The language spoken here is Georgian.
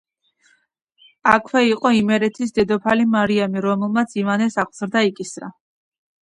აქვე იყო იმერეთის დედოფალი მარიამი, რომელმაც ივანეს აღზრდა იკისრა.